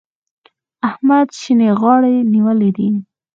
احمد شينې غاړې نيولی دی.